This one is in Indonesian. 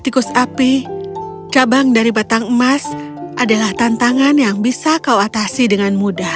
tikus api cabang dari batang emas adalah tantangan yang bisa kau atasi dengan mudah